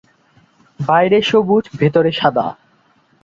বাইরে সবুজ, ভেতরে সাদা।